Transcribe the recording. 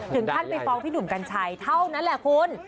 ท่านไปฟ้องพี่หนุ่มกัญชัยเท่านั้นแหละคุณ